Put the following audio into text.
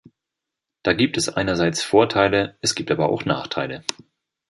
Da gibt es einerseits Vorteile, es gibt aber auch Nachteile.